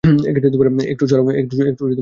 একটু চড়াও হতে চেয়েছিলাম।